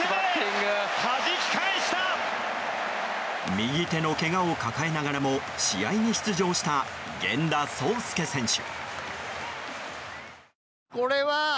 右手のけがを抱えながらも試合に出場した源田壮亮選手。